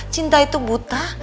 cinta itu buta